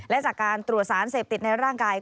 และจากการตรวจสารเสพติดในร่างกาย